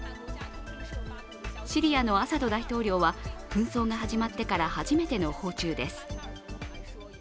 シリアのアサド大統領は紛争が始まってから初めての訪中です。